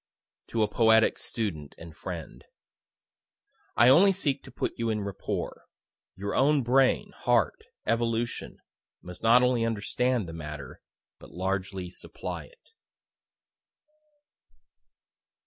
(To a poetic student and friend.) I only seek to put you in rapport. Your own brain, heart, evolution, must not only understand the matter, but largely supply it.